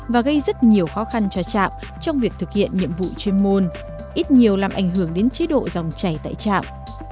và gây rất nhiều khó khăn cho trạm trong việc thực hiện nhiệm vụ chuyên môn ít nhiều làm ảnh hưởng đến chế độ dòng chảy tại trạm